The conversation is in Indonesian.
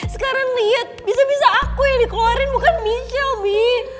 sekarang liat bisa bisa aku yang dikeluarin bukan michelle mi